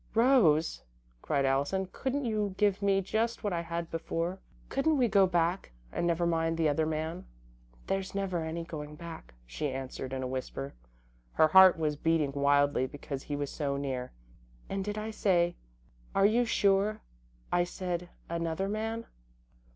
"Rose," cried Allison, "couldn't you give me just what I had before? Couldn't we go back, and never mind the other man?" "There's never any going back," she answered, in a whisper. Her heart was beating wildly because he was so near. "And did I say are you sure I said another man?"